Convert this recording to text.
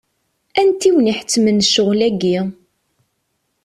Anti i wen-iḥettmen ccɣel-agi?